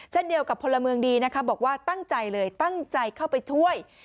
เช่นเดียวกับพลเมืองดีนะคะบอกว่าตั้งใจเลยตั้งใจเข้าไปช่วย